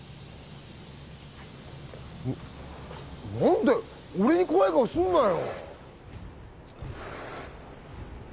何だよ俺に怖い顔すんなよ